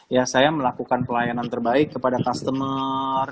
ya saya melakukan pelayanan terbaik kepada customer